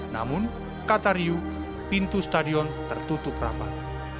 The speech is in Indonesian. namun kata riu pintu stadion tertutup rapat